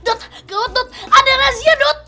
gara gara ada razia dot